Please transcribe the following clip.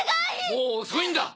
もう遅いんだ！